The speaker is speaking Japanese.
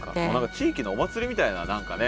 地域のお祭りみたいな何かね